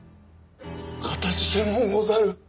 かたじけのうござる。